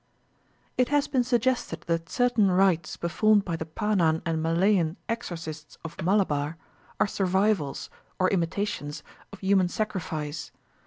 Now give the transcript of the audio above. It has been suggested that certain rites performed by the Panan and Malayan exorcists of Malabar are survivals, or imitations of human sacrifice.